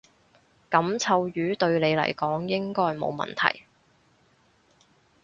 噉臭魚對你嚟講應該冇問題